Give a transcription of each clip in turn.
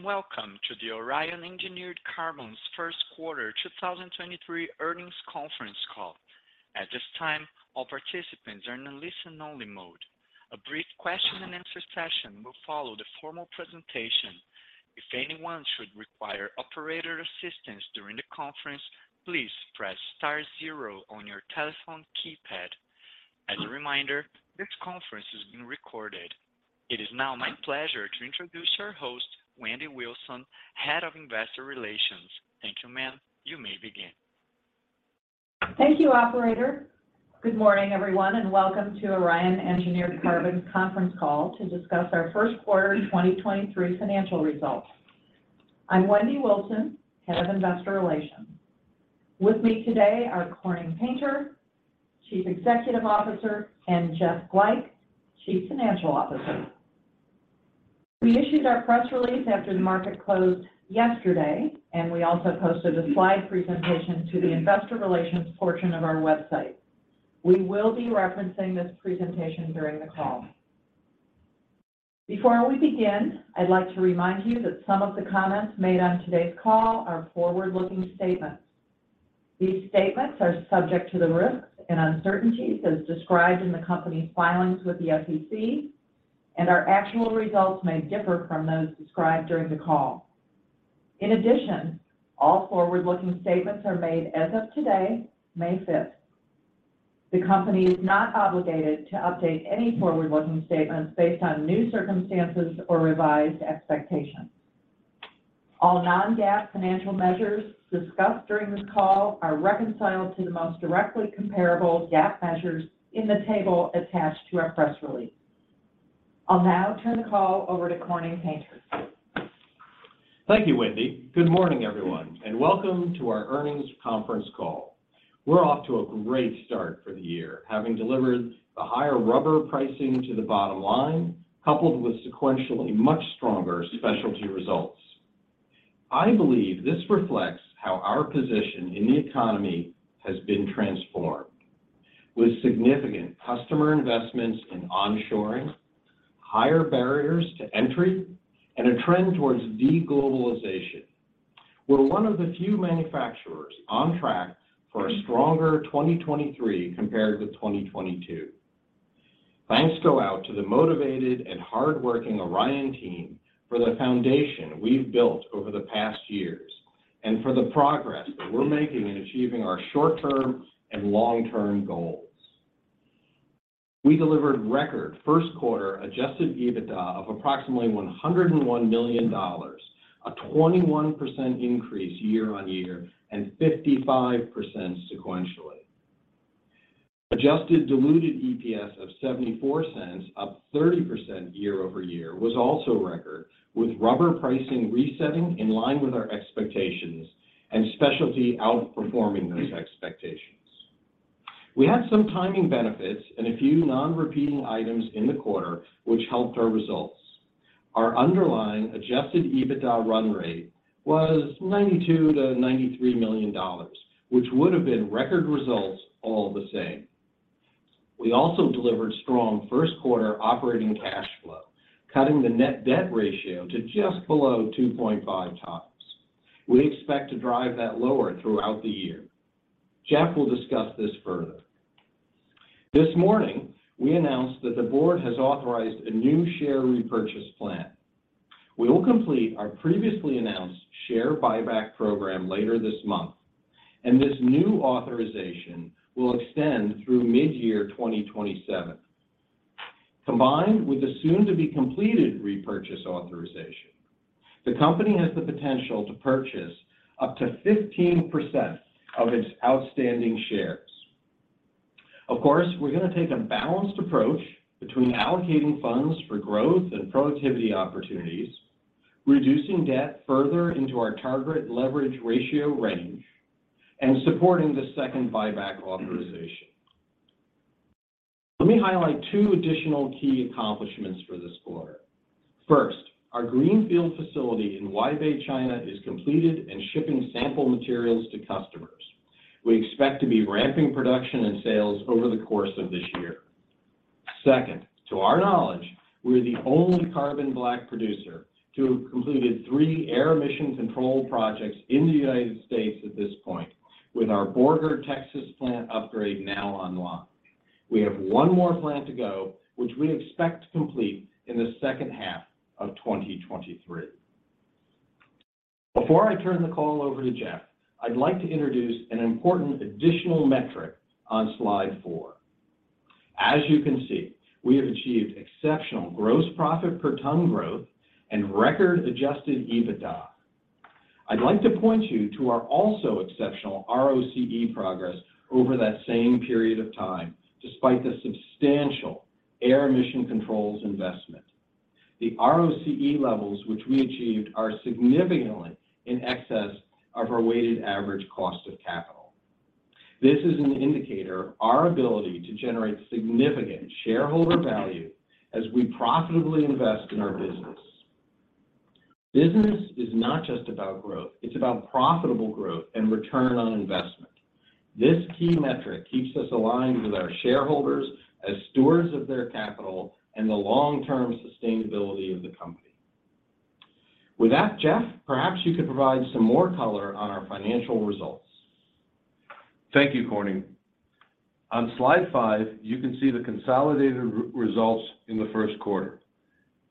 Good evening, and welcome to the Orion Engineered Carbons first quarter 2023 earnings conference call. At this time, all participants are in a listen only mode. A brief question and answer session will follow the formal presentation. If anyone should require operator assistance during the conference, please press star zero on your telephone keypad. As a reminder, this conference is being recorded. It is now my pleasure to introduce our host, Wendy Wilson, Head of Investor Relations. Thank you, ma'am. You may begin. Thank you, operator. Good morning, everyone, and welcome to Orion Engineered Carbons conference call to discuss our first quarter 2023 financial results. I'm Wendy Wilson, Head of Investor Relations. With me today are Corning Painter, Chief Executive Officer, and Jeff Glajch, Chief Financial Officer. We issued our press release after the market closed yesterday, and we also posted a slide presentation to the investor relations portion of our website. We will be referencing this presentation during the call. Before we begin, I'd like to remind you that some of the comments made on today's call are forward-looking statements. These statements are subject to the risks and uncertainties as described in the company's filings with the SEC, and our actual results may differ from those described during the call. In addition, all forward-looking statements are made as of today, May 5th. The company is not obligated to update any forward-looking statements based on new circumstances or revised expectations. All non-GAAP financial measures discussed during this call are reconciled to the most directly comparable GAAP measures in the table attached to our press release. I'll now turn the call over to Corning Painter.... Thank you, Wendy. Good morning, everyone. Welcome to our earnings conference call. We're off to a great start for the year, having delivered the higher rubber pricing to the bottom line, coupled with sequentially much stronger specialty results. I believe this reflects how our position in the economy has been transformed. With significant customer investments in onshoring, higher barriers to entry, and a trend towards de-globalization, we're one of the few manufacturers on track for a stronger 2023 compared with 2022. Thanks go out to the motivated and hardworking Orion team for the foundation we've built over the past years and for the progress that we're making in achieving our short-term and long-term goals. We delivered record first quarter adjusted EBITDA of approximately $101 million, a 21% increase year-over-year, 55% sequentially. Adjusted diluted EPS of $0.74, up 30% year-over-year was also record with rubber pricing resetting in line with our expectations and specialty outperforming those expectations. We had some timing benefits and a few non-repeating items in the quarter which helped our results. Our underlying adjusted EBITDA run rate was $92 million-$93 million, which would have been record results all the same. We also delivered strong first quarter operating cash flow, cutting the net debt ratio to just below 2.5 times. We expect to drive that lower throughout the year. Jeff will discuss this further. This morning, we announced that the board has authorized a new share repurchase plan. We will complete our previously announced share buyback program later this month, and this new authorization will extend through mid-year 2027. Combined with the soon-to-be completed repurchase authorization, the company has the potential to purchase up to 15% of its outstanding shares. We're gonna take a balanced approach between allocating funds for growth and productivity opportunities, reducing debt further into our target leverage ratio range, and supporting the second buyback authorization. Let me highlight two additional key accomplishments for this quarter. First, our greenfield facility in Huaibei, China is completed and shipping sample materials to customers. We expect to be ramping production and sales over the course of this year. Second, to our knowledge, we're the only carbon black producer to have completed three air emissions control projects in the United States at this point with our Borger, Texas plant upgrade now online. We have one more plant to go, which we expect to complete in the second half of 2023. Before I turn the call over to Jeff, I'd like to introduce an important additional metric on slide four. As you can see, we have achieved exceptional gross profit per ton growth and record adjusted EBITDA. I'd like to point you to our also exceptional ROCE progress over that same period of time, despite the substantial air emission controls investment. The ROCE levels which we achieved are significantly in excess of our weighted average cost of capital. This is an indicator of our ability to generate significant shareholder value as we profitably invest in our business. Business is not just about growth, it's about profitable growth and return on investment. This key metric keeps us aligned with our shareholders as stewards of their capital and the long-term sustainability of the company. With that, Jeff, perhaps you could provide some more color on our financial results. Thank you, Corning. On slide five, you can see the consolidated re-results in the first quarter.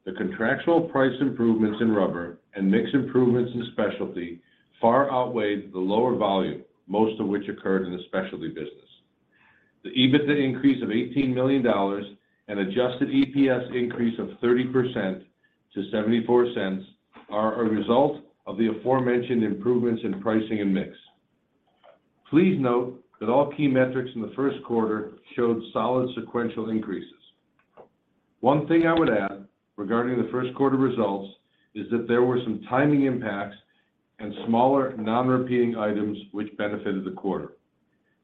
The contractual price improvements in rubber and mix improvements in specialty far outweighed the lower volume, most of which occurred in the specialty business. The EBITDA increase of $18 million and adjusted EPS increase of 30% to $0.74 are a result of the aforementioned improvements in pricing and mix. Please note that all key metrics in the first quarter showed solid sequential increases. One thing I would add regarding the first quarter results is that there were some timing impacts and smaller non-repeating items which benefited the quarter.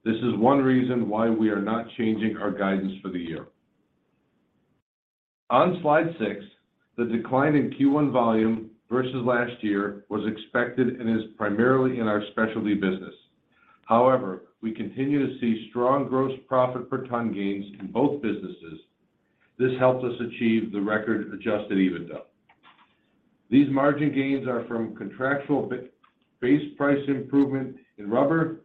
This is one reason why we are not changing our guidance for the year. On slide six, the decline in Q1 volume versus last year was expected and is primarily in our specialty business. We continue to see strong gross profit per ton gains in both businesses. This helps us achieve the record-adjusted EBITDA. These margin gains are from contractual base price improvement in rubber,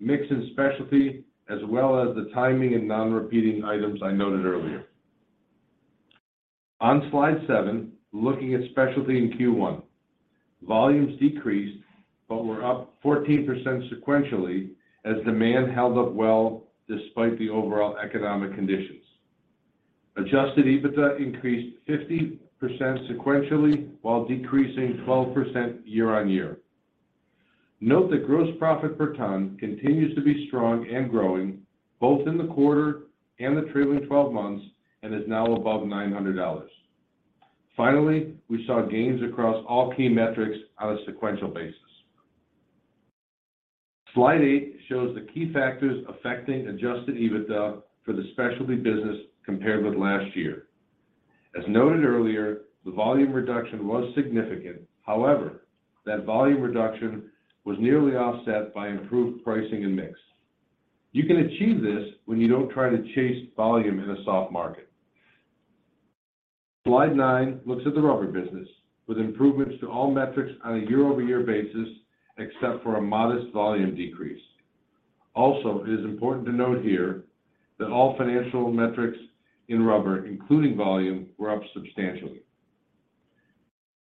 mix in specialty, as well as the timing and non-repeating items I noted earlier. On slide seven, looking at specialty in Q1. Volumes decreased but were up 14% sequentially as demand held up well despite the overall economic conditions. Adjusted EBITDA increased 50% sequentially, while decreasing 12% year-on-year. Note that gross profit per ton continues to be strong and growing both in the quarter and the trailing 12 months, and is now above $900. We saw gains across all key metrics on a sequential basis. Slide eight shows the key factors affecting adjusted EBITDA for the specialty business compared with last year. As noted earlier, the volume reduction was significant. That volume reduction was nearly offset by improved pricing and mix. You can achieve this when you don't try to chase volume in a soft market. Slide nine looks at the rubber business, with improvements to all metrics on a year-over-year basis, except for a modest volume decrease. It is important to note here that all financial metrics in rubber, including volume, were up substantially.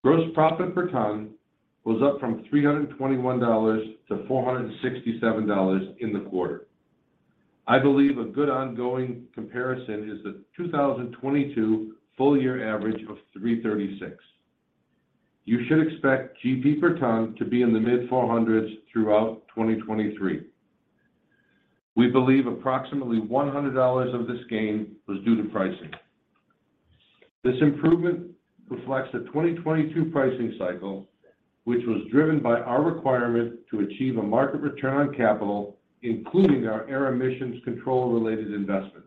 Gross profit per ton was up from $321 to $467 in the quarter. I believe a good ongoing comparison is the 2022 full year average of $336. You should expect GP per ton to be in the mid-$400s throughout 2023. We believe approximately $100 of this gain was due to pricing. This improvement reflects the 2022 pricing cycle, which was driven by our requirement to achieve a market return on capital, including our air emissions control-related investments.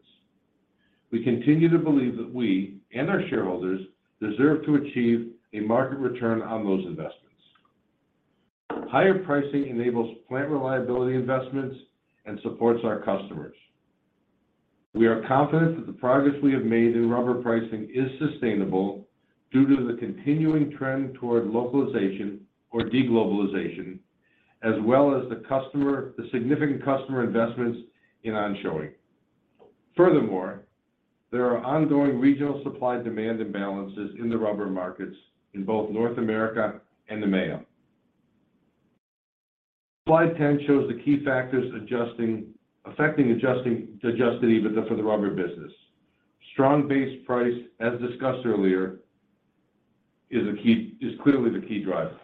We continue to believe that we and our shareholders deserve to achieve a market return on those investments. Higher pricing enables plant reliability investments and supports our customers. We are confident that the progress we have made in rubber pricing is sustainable due to the continuing trend toward localization or de-globalization, as well as the significant customer investments in onshoring. There are ongoing regional supply-demand imbalances in the rubber markets in both North America and EMEA. Slide 10 shows the key factors affecting adjusted EBITDA for the rubber business. Strong base price, as discussed earlier, is clearly the key driver.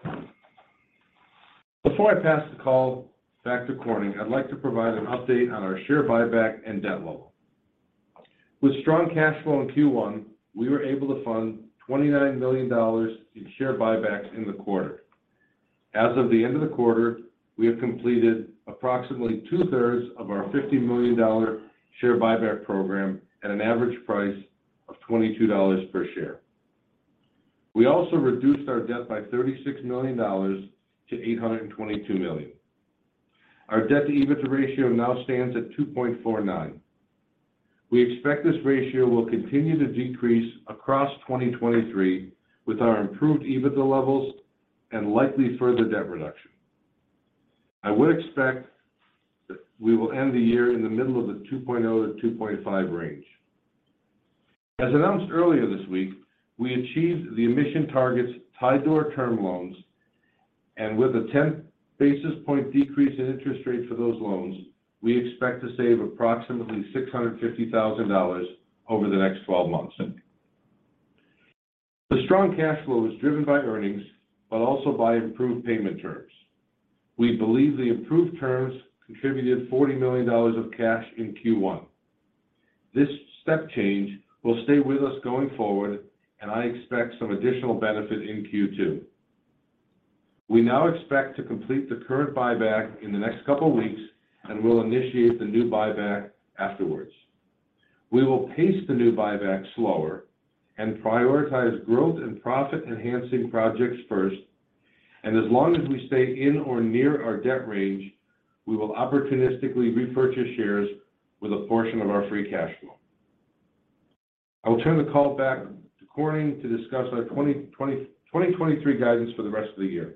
Before I pass the call back to Corning, I'd like to provide an update on our share buyback and debt level. With strong cash flow in Q1, we were able to fund $29 million in share buybacks in the quarter. As of the end of the quarter, we have completed approximately two-thirds of our $50 million share buyback program at an average price of $22 per share. We also reduced our debt by $36 million to $822 million. Our debt-to-EBITDA ratio now stands at 2.49. We expect this ratio will continue to decrease across 2023 with our improved EBITDA levels and likely further debt reduction. I would expect that we will end the year in the middle of the 2.0-2.5 range. As announced earlier this week, we achieved the emission targets tied to our term loans, and with a 10 basis point decrease in interest rates for those loans, we expect to save approximately $650,000 over the next 12 months. The strong cash flow is driven by earnings but also by improved payment terms. We believe the improved terms contributed $40 million of cash in Q1. This step change will stay with us going forward, and I expect some additional benefit in Q2. We now expect to complete the current buyback in the next couple of weeks, and we'll initiate the new buyback afterwards. We will pace the new buyback slower and prioritize growth and profit-enhancing projects first. As long as we stay in or near our debt range, we will opportunistically repurchase shares with a portion of our free cash flow. I will turn the call back to Corning to discuss our 2023 guidance for the rest of the year.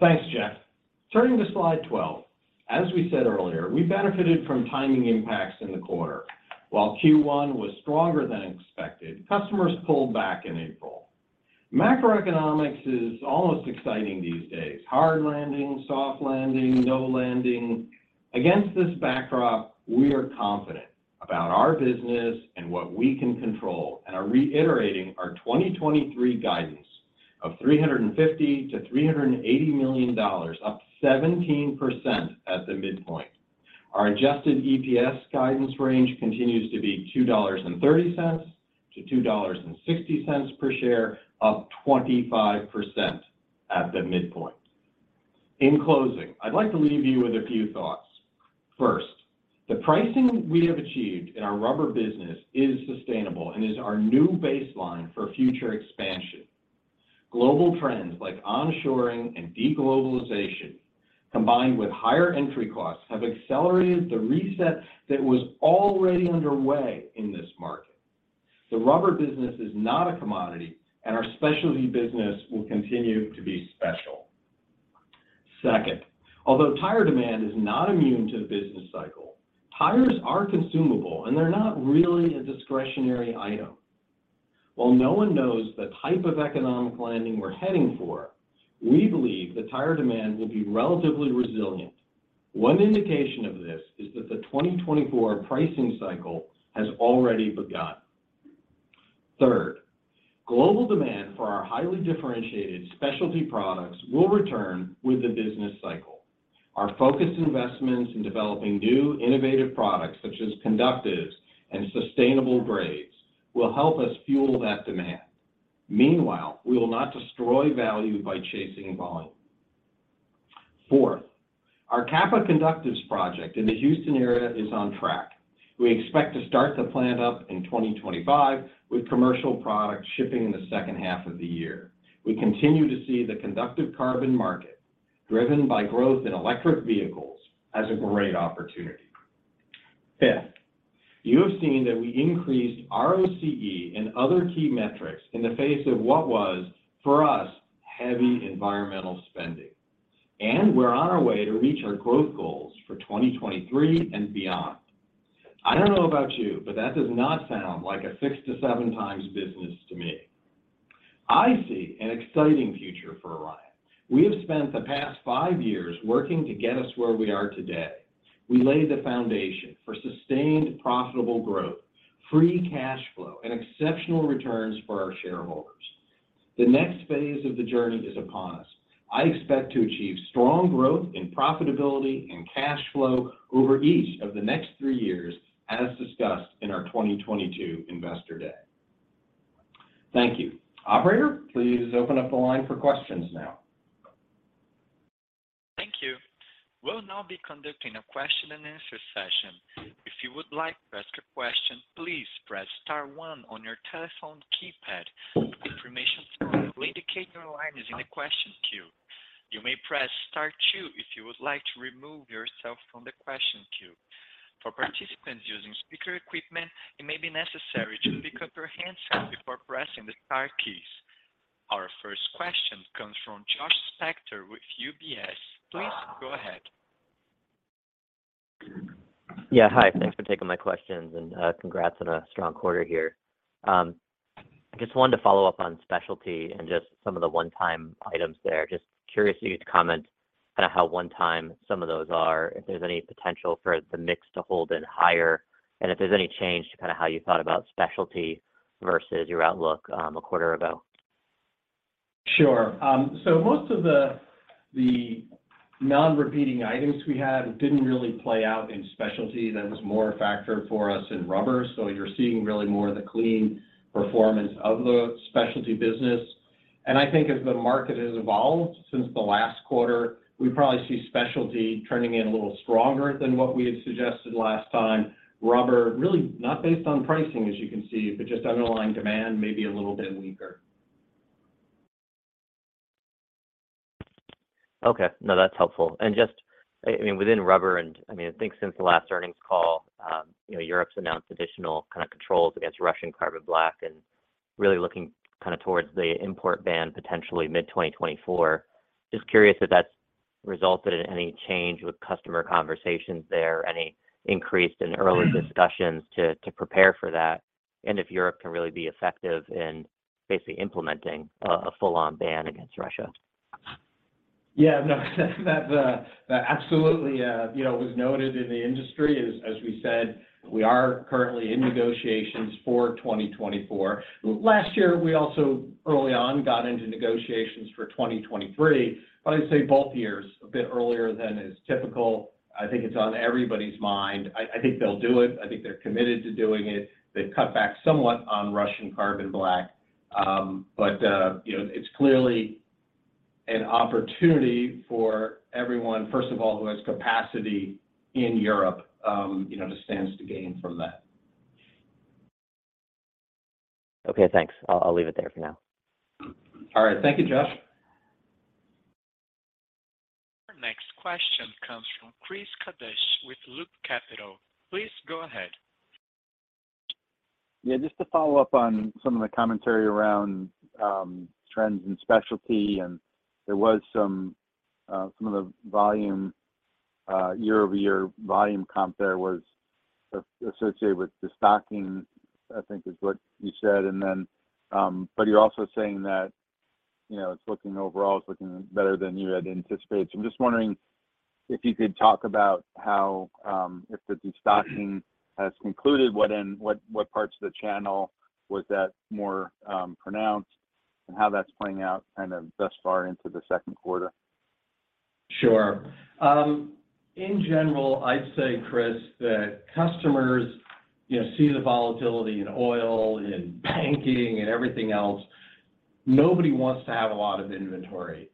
Thanks, Jeff. Turning to slide 12. As we said earlier, we benefited from timing impacts in the quarter. While Q1 was stronger than expected, customers pulled back in April. Macroeconomics is almost exciting these days. Hard landing, soft landing, no landing. Against this backdrop, we are confident about our business and what we can control, and are reiterating our 2023 guidance of $350 million-$380 million, up 17% at the midpoint. Our adjusted EPS guidance range continues to be $2.30-$2.60 per share, up 25% at the midpoint. In closing, I'd like to leave you with a few thoughts. First, the pricing we have achieved in our Rubber business is sustainable and is our new baseline for future expansion. Global trends like onshoring and de-globalization, combined with higher entry costs, have accelerated the reset that was already underway in this market. The Rubber business is not a commodity. Our Specialty business will continue to be special. Second, although tire demand is not immune to the business cycle, tires are consumable, and they're not really a discretionary item. While no one knows the type of economic landing we're heading for, we believe the tire demand will be relatively resilient. One indication of this is that the 2024 pricing cycle has already begun. Third, global demand for our highly differentiated specialty products will return with the business cycle. Our focused investments in developing new innovative products, such as conductives and sustainable grades, will help us fuel that demand. Meanwhile, we will not destroy value by chasing volume. Fourth, our Kappa Conductives project in the Houston area is on track. We expect to start the plant up in 2025, with commercial products shipping in the second half of the year. We continue to see the conductive carbon market, driven by growth in electric vehicles, as a great opportunity. Fifth, you have seen that we increased ROCE and other key metrics in the face of what was, for us, heavy environmental spending. We're on our way to reach our growth goals for 2023 and beyond. I don't know about you, but that does not sound like a 6-7x business to me. I see an exciting future for Orion. We have spent the past five years working to get us where we are today. We laid the foundation for sustained, profitable growth, free cash flow, and exceptional returns for our shareholders. The next phase of the journey is upon us. I expect to achieve strong growth in profitability and cash flow over each of the next three years, as discussed in our 2022 Investor Day. Thank you. Operator, please open up the line for questions now. Thank you. We'll now be conducting a question and answer session. If you would like to ask a question, please press star one on your telephone keypad. An information tone will indicate your line is in the question queue. You may press star two if you would like to remove yourself from the question queue. For participants using speaker equipment, it may be necessary to pick up your handset before pressing the star keys. Our first question comes from Josh Spector with UBS. Please go ahead. Yeah. Hi. Thanks for taking my questions, and congrats on a strong quarter here. I just wanted to follow up on Specialty and just some of the one-time items there. Just curious for you to comment on how one time some of those are, if there's any potential for the mix to hold in higher, and if there's any change to kind of how you thought about Specialty versus your outlook, a quarter ago. Sure. Most of the non-repeating items we had didn't really play out in Specialty. That was more a factor for us in Rubber. You're seeing really more of the clean performance of the Specialty business. I think as the market has evolved since the last quarter, we probably see Specialty turning in a little stronger than what we had suggested last time. Rubber really not based on pricing, as you can see, but just underlying demand maybe a little bit weaker. Okay. No, that's helpful. Just, I mean, within Rubber and, I mean, I think since the last earnings call, you know, Europe's announced additional kind of controls against Russian carbon black and really looking kind of towards the import ban potentially mid-2024. Just curious if that's resulted in any change with customer conversations there, any increase in early discussions to prepare for that? If Europe can really be effective in basically implementing a full-on ban against Russia? Yeah. No, that, you know, was noted in the industry. As we said, we are currently in negotiations for 2024. Last year, we also early on got into negotiations for 2023. I'd say both years a bit earlier than is typical. I think it's on everybody's mind. I think they'll do it. I think they're committed to doing it. They've cut back somewhat on Russian carbon black. You know, it's clearly an opportunity for everyone, first of all, who has capacity in Europe, you know, to stands to gain from that. Okay, thanks. I'll leave it there for now. All right. Thank you, Jeff. Our next question comes from Chris Kapsch with Loop Capital. Please go ahead. Just to follow up on some of the commentary around trends in specialty, there was some of the volume year-over-year volume comp there was as-associated with the stocking, I think is what you said. But you're also saying that, you know, overall it's looking better than you had anticipated. I'm just wondering if you could talk about how if the destocking has concluded, what parts of the channel was that more pronounced and how that's playing out kind of thus far into the second quarter? Sure. In general, I'd say, Chris, that customers, you know, see the volatility in oil, in banking, and everything else. Nobody wants to have a lot of inventory.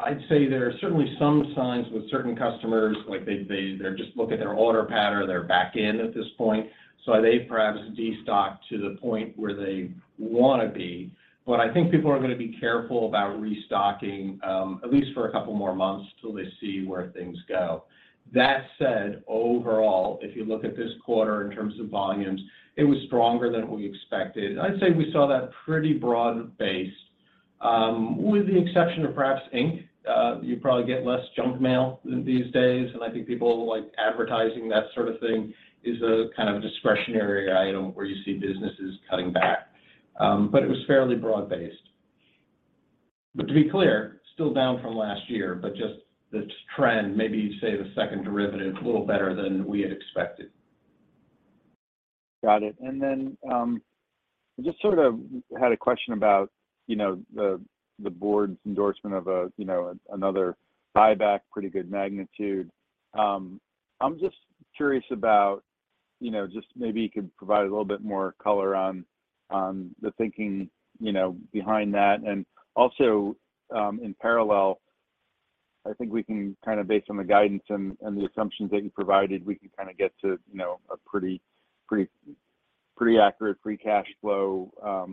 I'd say there are certainly some signs with certain customers, like they're just looking at their order pattern, they're back in at this point. They've perhaps destocked to the point where they wanna be. I think people are gonna be careful about restocking, at least for a couple more months till they see where things go. That said, overall, if you look at this quarter in terms of volumes, it was stronger than we expected. I'd say we saw that pretty broad-based, with the exception of perhaps ink. You probably get less junk mail these days, I think people like advertising, that sort of thing, is a kind of discretionary item where you see businesses cutting back. It was fairly broad-based. To be clear, still down from last year, but just the trend, maybe say the second derivative, a little better than we had expected. Got it. I just sort of had a question about the board's endorsement of another buyback, pretty good magnitude. I'm just curious about just maybe you could provide a little bit more color on the thinking behind that. In parallel, I think we can kind of based on the guidance and the assumptions that you provided, we can kind of get to a pretty accurate free cash flow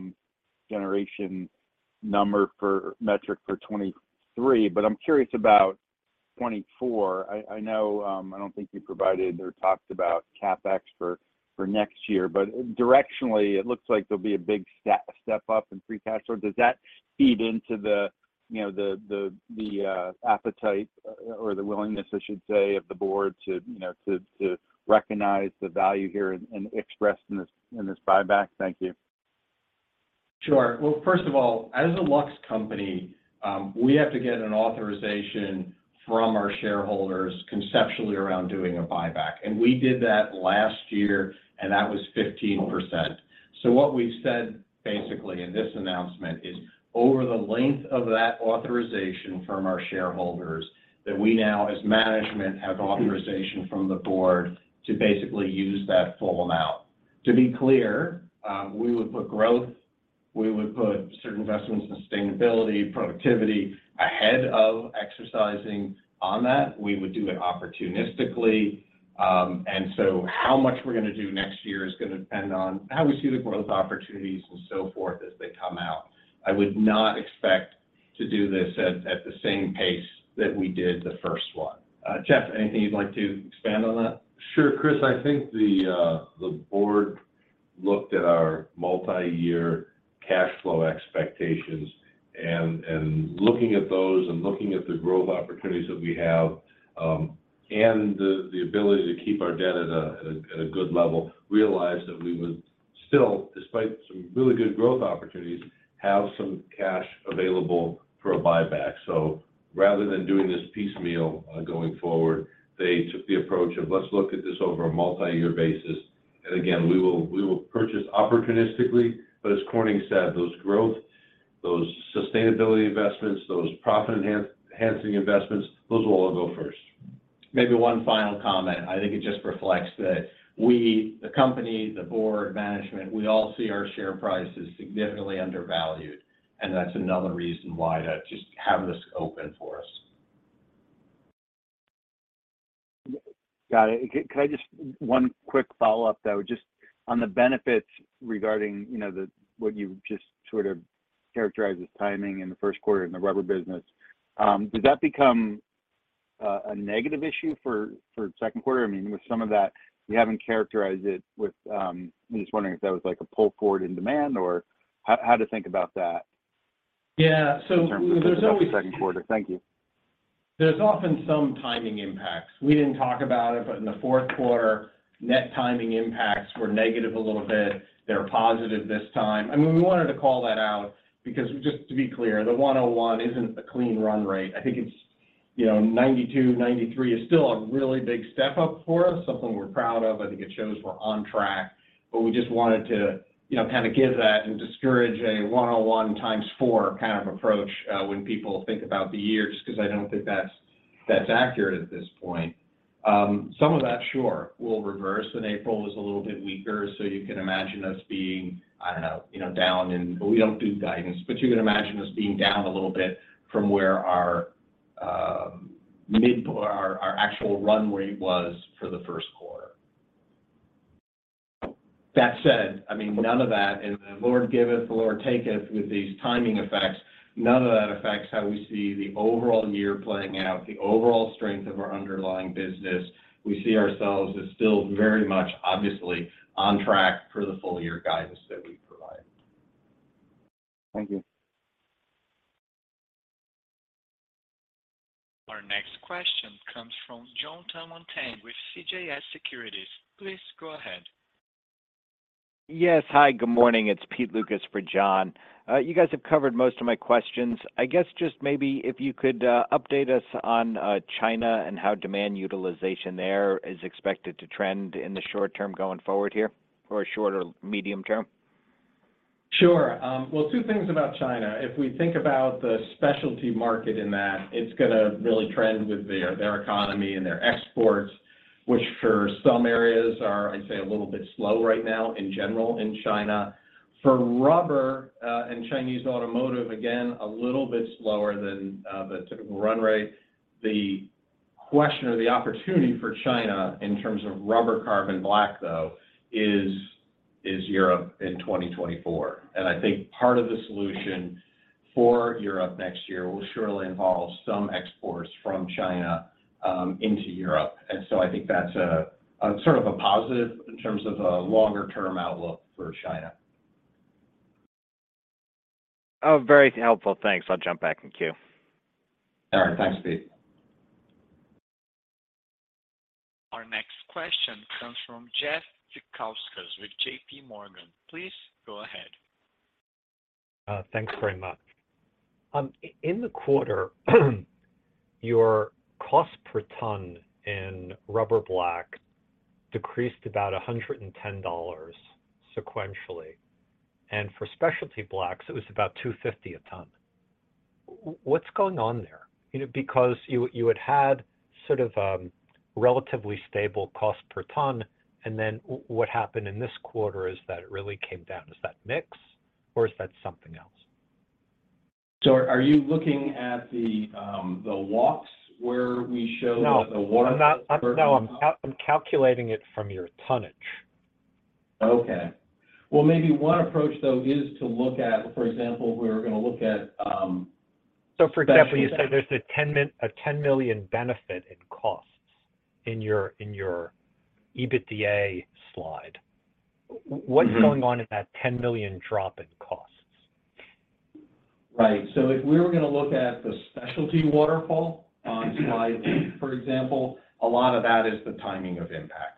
generation metric for 2023. I'm curious about 2024. I know, I don't think you provided or talked about CapEx for next year. Directionally, it looks like there'll be a big step up in free cash flow. Does that feed into the, you know, the, the appetite or the willingness, I should say, of the board to, you know, to recognize the value here and expressed in this, in this buyback? Thank you. First of all, as a lux company, we have to get an authorization from our shareholders conceptually around doing a buyback. We did that last year, and that was 15%. What we said basically in this announcement is, over the length of that authorization from our shareholders, that we now, as management, have authorization from the board to basically use that full amount. To be clear, we would put growth, we would put certain investments in sustainability, productivity ahead of exercising on that. We would do it opportunistically. How much we're going to do next year is going to depend on how we see the growth opportunities and so forth as they come out. I would not expect to do this at the same pace that we did the first one. Jeff, anything you'd like to expand on that? Sure, Chris. I think the board looked at our multiyear cash flow expectations and looking at those and looking at the growth opportunities that we have, and the ability to keep our debt at a good level, realized that we would still, despite some really good growth opportunities, have some cash available for a buyback. Rather than doing this piecemeal, going forward, they took the approach of, "Let's look at this over a multiyear basis." Again, we will purchase opportunistically, but as Corning said, those growth, those sustainability investments, those profit-enhancing investments, those will all go first. Maybe one final comment. I think it just reflects that we, the company, the board, management, we all see our share price as significantly undervalued. That's another reason why to just have this open for us. Got it. One quick follow-up though, just on the benefits regarding, you know, the, what you just sort of characterized as timing in the first quarter in the rubber business, does that become a negative issue for second quarter? I mean, with some of that, you haven't characterized it with. I'm just wondering if that was like a pull forward in demand or how to think about that? Yeah. there's. In terms of the second quarter. Thank you. There's often some timing impacts. We didn't talk about it, but in the fourth quarter, net timing impacts were negative a little bit. They're positive this time. I mean, we wanted to call that out because just to be clear, the $101 isn't a clean run rate. I think it's, you know, $92, $93 is still a really big step up for us, something we're proud of. I think it shows we're on track, but we just wanted to, you know, kind of give that and discourage a $101 times four kind of approach when people think about the year, just 'cause I don't think that's accurate at this point. Some of that, sure, will reverse when April is a little bit weaker, so you can imagine us being, I don't know, you know, down in. We don't do guidance, but you can imagine us being down a little bit from where our actual run rate was for the first quarter. That said, I mean, none of that, and the Lord giveth, the Lord taketh with these timing effects, none of that affects how we see the overall year playing out. The overall strength of our underlying business, we see ourselves as still very much, obviously, on track for the full year guidance that we provide. Thank you. Our next question comes from Jonathan Tanwanteng with CJS Securities. Please go ahead. Yes. Hi, good morning. It's Pete Lukas for John. You guys have covered most of my questions. I guess just maybe if you could update us on China and how demand utilization there is expected to trend in the short term going forward here or short or medium term? Sure. Well, two things about China. If we think about the specialty market in that, it's gonna really trend with their economy and their exports, which for some areas are, I'd say, a little bit slow right now in general in China. For rubber, and Chinese automotive, again, a little bit slower than the typical run rate. The question or the opportunity for China in terms of rubber carbon black, though, is Europe in 2024. I think part of the solution for Europe next year will surely involve some exports from China into Europe. I think that's a sort of a positive in terms of a longer-term outlook for China. Oh, very helpful. Thanks. I'll jump back in queue. All right. Thanks, Pete. Our next question comes from Jeff Zekauskas with JP Morgan. Please go ahead. Thanks very much. In the quarter, your cost per ton in rubber black decreased about $110 sequentially, and for specialty blacks it was about $250 a ton. What's going on there? You know, because you had sort of, relatively stable cost per ton, and then what happened in this quarter is that it really came down. Is that mix, or is that something else? Are you looking at the WACC where we show. No the waterfall? I'm not. No, I'm calculating it from your tonnage. Okay. Well, maybe one approach, though, is to look at, for example, if we were gonna look at. For example, you said there's a $10 million benefit in costs in your EBITDA slide. Mm-hmm. What's going on in that $10 million drop in costs? Right. If we were gonna look at the specialty waterfall on slide eight, for example, a lot of that is the timing of impacts.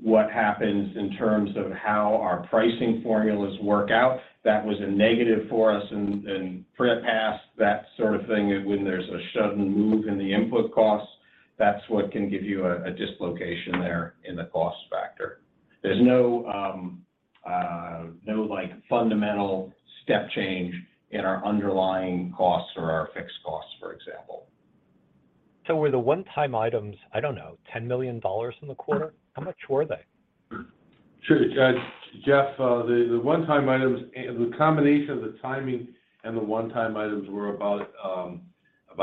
What happens in terms of how our pricing formulas work out, that was a negative for us in for the past, that sort of thing. When there's a sudden move in the input costs, that's what can give you a dislocation there in the cost factor. There's no fundamental step change in our underlying costs or our fixed costs, for example. Were the one-time items, I don't know, $10 million in the quarter? How much were they? Sure. Jeff, the one-time items. The combination of the timing and the one-time items were about $8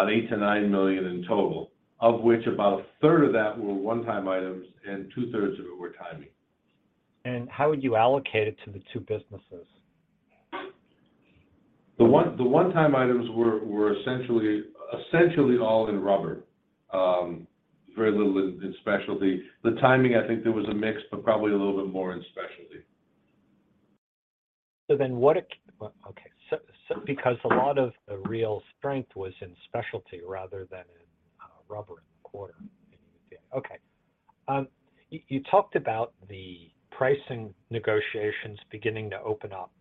million-$9 million in total, of which about a third of that were one-time items and two-thirds of it were timing. How would you allocate it to the two businesses? The one-time items were essentially all in rubber, very little in specialty. The timing, I think there was a mix, but probably a little bit more in specialty. What. Well, okay. Because a lot of the real strength was in specialty rather than in rubber in the quarter. Okay. You talked about the pricing negotiations beginning to open up.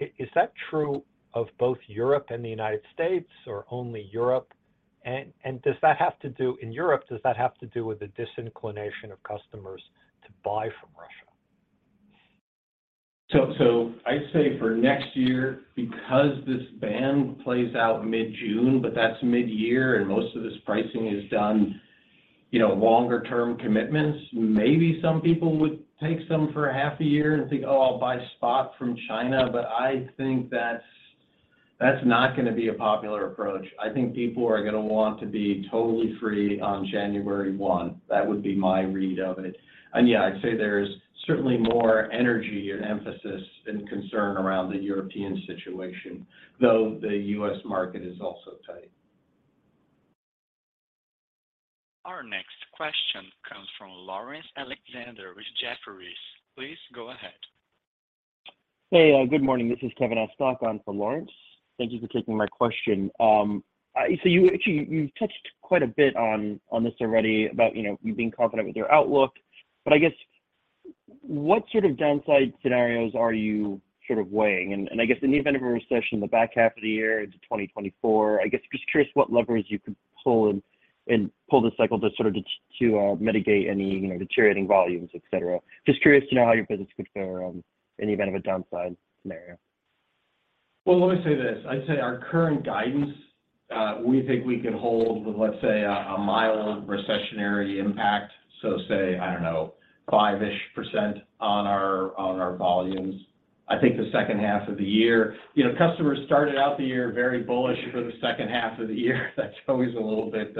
Is that true of both Europe and the United States or only Europe? In Europe, does that have to do with the disinclination of customers to buy from Russia? I'd say for next year, because this ban plays out mid-June, but that's mid-year and most of this pricing is done, you know, longer-term commitments, maybe some people would take some for half a year and think, "Oh, I'll buy spot from China." I think that's not gonna be a popular approach. I think people are gonna want to be totally free on January 1st. That would be my read of it. Yeah, I'd say there's certainly more energy and emphasis and concern around the European situation, though the U.S. market is also tight. Our next question comes from Laurence Alexander with Jefferies. Please go ahead. Hey, good morning. This is Kevin Estok on for Laurence Alexander. Thank you for taking my question. You've touched quite a bit on this already about, you know, you being confident with your outlook. I guess, what sort of downside scenarios are you sort of weighing? I guess in the event of a recession in the back half of the year into 2024, I guess just curious what levers you could pull. Pull the cycle to sort of to mitigate any, you know, deteriorating volumes, et cetera. Just curious to know how your business could fare, in the event of a downside scenario. Let me say this. I'd say our current guidance, we think we can hold with, let's say, a mild recessionary impact, so say, I don't know, 5% on our volumes. I think the second half of the year. You know, customers started out the year very bullish for the second half of the year. That's always a little bit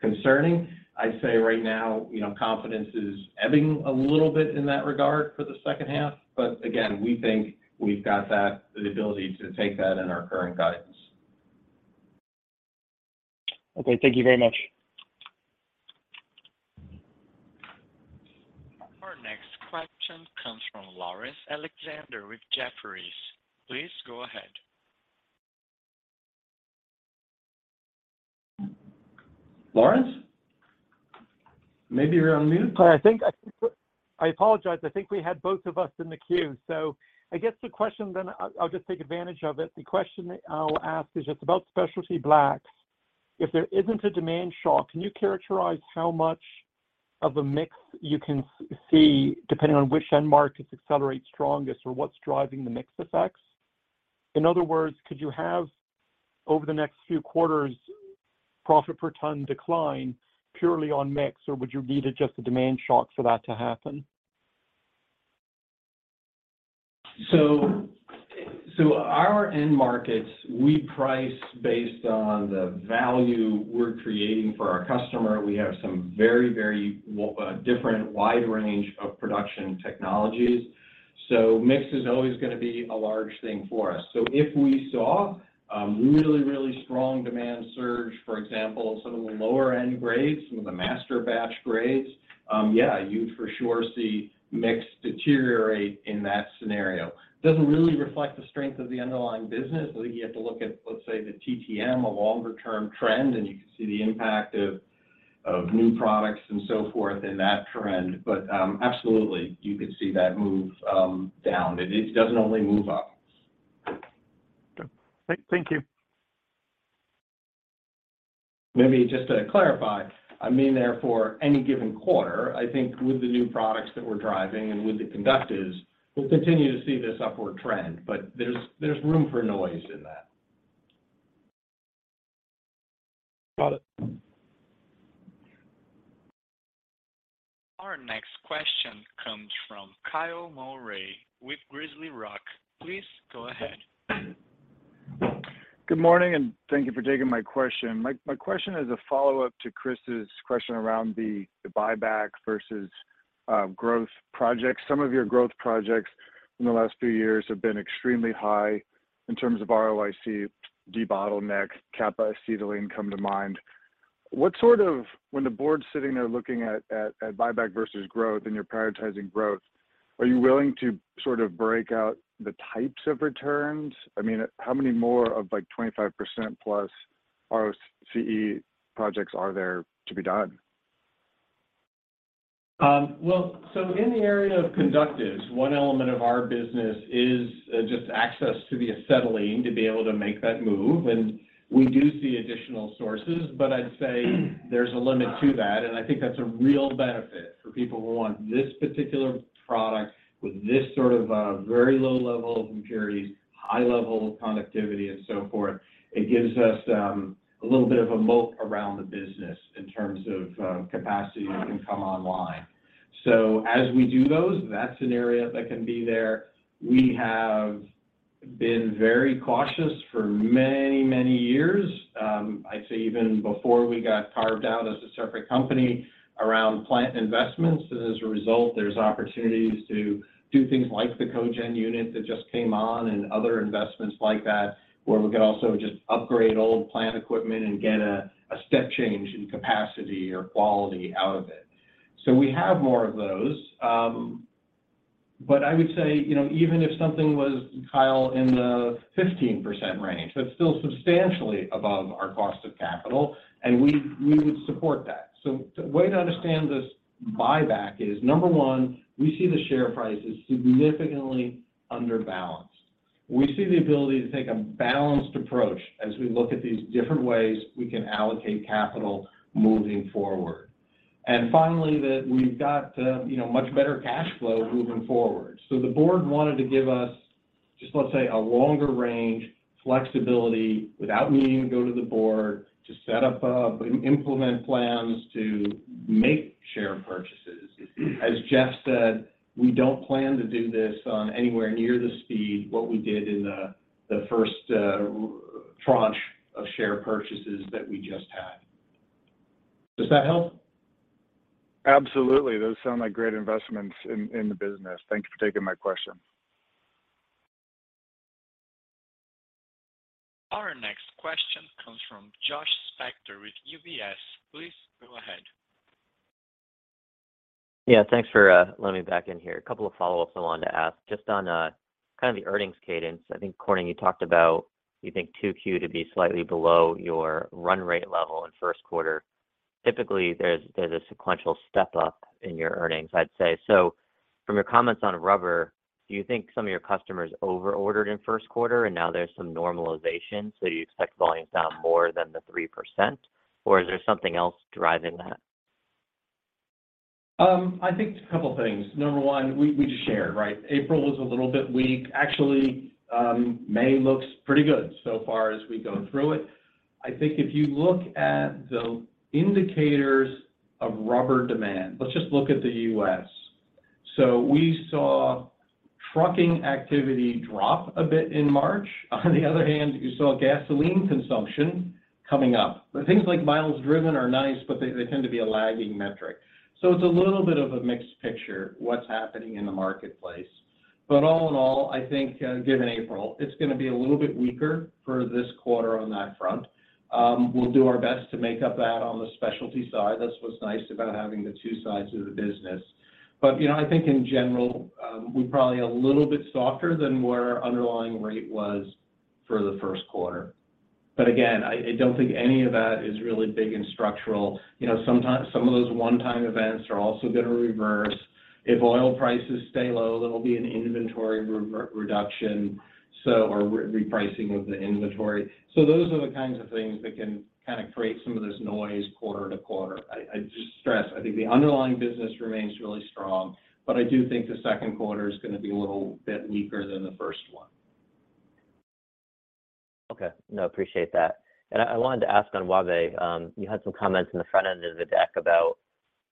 concerning. I'd say right now, you know, confidence is ebbing a little bit in that regard for the second half. Again, we think we've got the ability to take that in our current guidance. Okay. Thank you very much. Our next question comes from Laurence Alexander with Jefferies. Please go ahead. Laurence? Maybe you're on mute. I think we're. I apologize. I think we had both of us in the queue. I guess the question then, I'll just take advantage of it. The question that I'll ask is just about specialty blacks. If there isn't a demand shock, can you characterize how much of a mix you can see, depending on which end markets accelerate strongest or what's driving the mix effects? In other words, could you have, over the next few quarters, profit per ton decline purely on mix, or would you need just a demand shock for that to happen? Our end markets, we price based on the value we're creating for our customer. We have some very different wide range of production technologies, so mix is always gonna be a large thing for us. If we saw a really strong demand surge, for example, some of the lower end grades, some of the masterbatch grades, yeah, you'd for sure see mix deteriorate in that scenario. Doesn't really reflect the strength of the underlying business. I think you have to look at, let's say, the TTM, a longer term trend, and you can see the impact of new products and so forth in that trend. Absolutely, you could see that move down. It doesn't only move up. Okay. Thank you. Maybe just to clarify, I mean therefore any given quarter. I think with the new products that we're driving and with the conductives, we'll continue to see this upward trend, but there's room for noise in that. Got it. Our next question comes from Kyle Mowery with GrizzlyRock Capital. Please go ahead. Good morning. Thank you for taking my question. My question is a follow-up to Chris's question around the buyback versus growth projects. Some of your growth projects in the last few years have been extremely high in terms of ROIC, de-bottleneck, Kappa Acetylene come to mind. When the board's sitting there looking at buyback versus growth and you're prioritizing growth, are you willing to sort of break out the types of returns? I mean, how many more of, like, 25% plus ROCE projects are there to be done? In the area of conductives, one element of our business is just access to the acetylene to be able to make that move. We do see additional sources, but I'd say there's a limit to that. I think that's a real benefit for people who want this particular product with this sort of very low level of impurities, high level of conductivity and so forth. It gives us a little bit of a moat around the business in terms of capacity and income online. As we do those, that's an area that can be there. We have been very cautious for many, many years, I'd say even before we got carved out as a separate company around plant investments. As a result, there's opportunities to do things like the cogeneration unit that just came on and other investments like that, where we could also just upgrade old plant equipment and get a step change in capacity or quality out of it. We have more of those, but I would say, you know, even if something was, Kyle, in the 15% range, that's still substantially above our cost of capital, and we would support that. The way to understand this buyback is, number one, we see the share price as significantly under-balanced. We see the ability to take a balanced approach as we look at these different ways we can allocate capital moving forward. Finally, that we've got, you know, much better cash flow moving forward. The board wanted to give us just, let's say, a longer range flexibility without needing to go to the board to set up, implement plans to make share purchases. As Jeff said, we don't plan to do this on anywhere near the speed what we did in the first tranche of share purchases that we just had. Does that help? Absolutely. Those sound like great investments in the business. Thank you for taking my question. Our next question comes from Josh Spector with UBS. Please go ahead. Yeah. Thanks for letting me back in here. A couple of follow-ups I wanted to ask. Just on kind of the earnings cadence, I think, Corning, you talked about you think 2Q to be slightly below your run rate level in first quarter. Typically, there's a sequential step up in your earnings, I'd say. From your comments on rubber, do you think some of your customers over-ordered in first quarter and now there's some normalization, so you expect volumes down more than the 3%? Or is there something else driving that? I think it's a couple things. Number one, we just shared, right? April was a little bit weak. Actually, May looks pretty good so far as we go through it. I think if you look at the indicators of rubber demand... Let's just look at the U.S. We saw trucking activity drop a bit in March. On the other hand, you saw gasoline consumption coming up. Things like miles driven are nice, but they tend to be a lagging metric. It's a little bit of a mixed picture what's happening in the marketplace. All in all, I think, given April, it's gonna be a little bit weaker for this quarter on that front. We'll do our best to make up that on the specialty side. That's what's nice about having the two sides of the business. You know, I think in general, we're probably a little bit softer than where our underlying rate was for the first quarter. Again, I don't think any of that is really big and structural. You know, sometimes some of those one-time events are also gonna reverse. If oil prices stay low, there'll be an inventory re-reduction or repricing of the inventory. Those are the kinds of things that can kind of create some of this noise quarter-to-quarter. I just stress, I think the underlying business remains really strong, but I do think the second quarter is gonna be a little bit weaker than the first one. Okay. No, appreciate that. I wanted to ask on Yeosu. You had some comments in the front end of the deck about,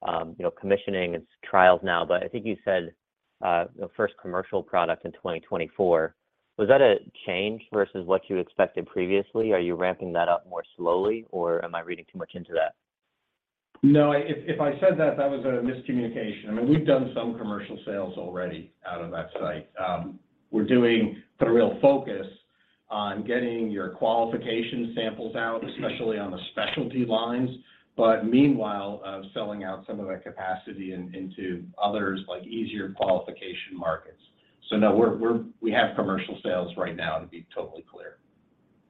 you know, commissioning its trials now, but I think you said, the first commercial product in 2024. Was that a change versus what you expected previously? Are you ramping that up more slowly, or am I reading too much into that? No, if I said that was a miscommunication. I mean, we've done some commercial sales already out of that site. We're putting a real focus on getting your qualification samples out, especially on the specialty lines. Meanwhile, selling out some of that capacity in, into others, like easier qualification markets. No, we have commercial sales right now, to be totally clear.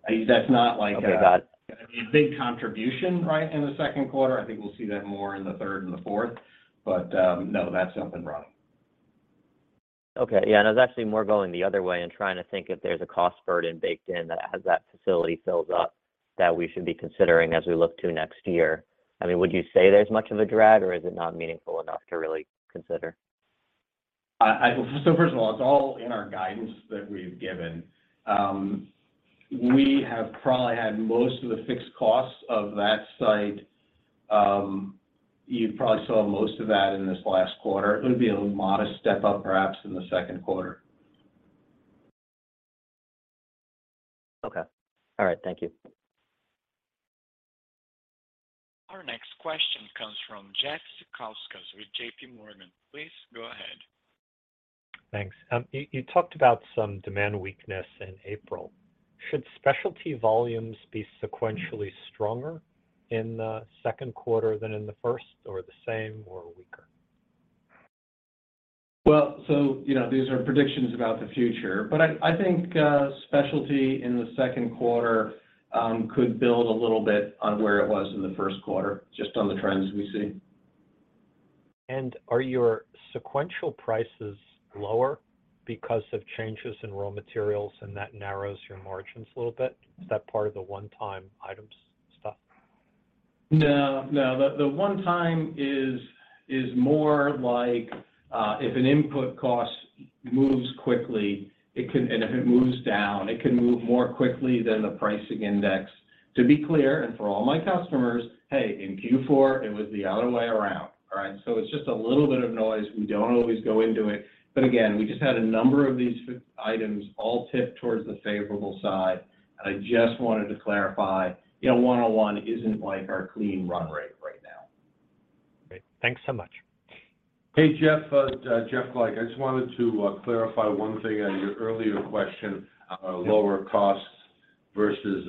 I mean, that's not like a. Okay, got it. A big contribution, right, in the second quarter. I think we'll see that more in the third and the fourth. No, that's something wrong. Okay. Yeah, I was actually more going the other way and trying to think if there's a cost burden baked in that as that facility fills up that we should be considering as we look to next year. I mean, would you say there's much of a drag, or is it not meaningful enough to really consider? First of all, it's all in our guidance that we've given. We have probably had most of the fixed costs of that site. You probably saw most of that in this last quarter. It would be a modest step up, perhaps, in the second quarter. Okay. All right. Thank you. Our next question comes from Jeff Zekauskas with JPMorgan. Please go ahead. Thanks. You talked about some demand weakness in April. Should specialty volumes be sequentially stronger in the second quarter than in the first, or the same, or weaker? You know, these are predictions about the future, but I think specialty in the second quarter could build a little bit on where it was in the first quarter, just on the trends we see. Are your sequential prices lower because of changes in raw materials, and that narrows your margins a little bit? Is that part of the one-time items stuff? No. No. The one time is more like, if an input cost moves quickly, it can, and if it moves down, it can move more quickly than the pricing index. To be clear and for all my customers, hey, in Q4, it was the other way around. All right? It's just a little bit of noise. We don't always go into it. Again, we just had a number of these items all tip towards the favorable side. I just wanted to clarify, you know, one-on-one isn't like our clean run rate right now. Great. Thanks so much. Hey, Jeff. Jeff Glajch. I just wanted to clarify one thing on your earlier question on lower costs versus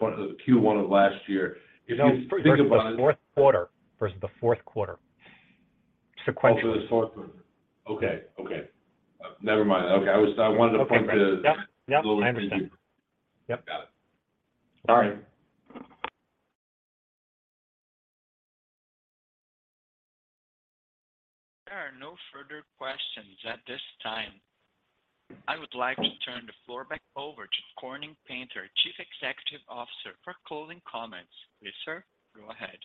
Q1 of last year. If you think about it- No, fourth quarter versus the fourth quarter. Sequential. It's fourth quarter. Okay. Okay. Never mind. Okay. I wanted to point the- Okay. Yeah. Yeah. I understand a little bit deeper. Yep. Got it. All right. There are no further questions at this time. I would like to turn the floor back over to Corning Painter, Chief Executive Officer, for closing comments. Please, sir, go ahead.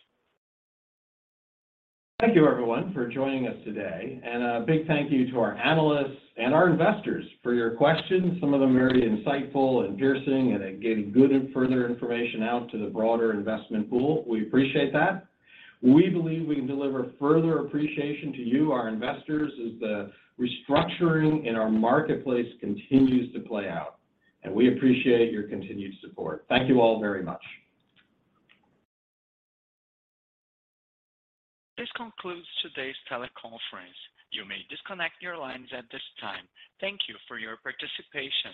Thank you, everyone, for joining us today. A big thank you to our analysts and our investors for your questions, some of them very insightful and piercing, and they're getting good and further information out to the broader investment pool. We appreciate that. We believe we can deliver further appreciation to you, our investors, as the restructuring in our marketplace continues to play out. We appreciate your continued support. Thank you all very much. This concludes today's teleconference. You may disconnect your lines at this time. Thank you for your participation.